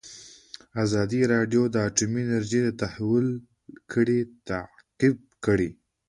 ازادي راډیو د اټومي انرژي د تحول لړۍ تعقیب کړې.